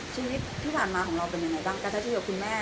ชีวิตที่ผ่านมาของเราเป็นอย่างไรบ้างกับถ้าชีวิตกับคุณแม่